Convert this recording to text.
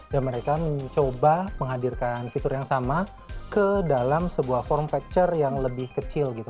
dan mereka mencoba menghadirkan fitur yang sama ke dalam sebuah form factor yang lebih kecil gitu